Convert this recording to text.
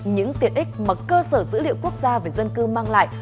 những tiện ích mà cơ sở dữ liệu quốc gia về dân cư mang lại